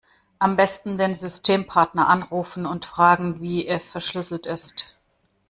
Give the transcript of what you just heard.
Am Besten den Systempartner anrufen und fragen wie es verschlüsselt ist.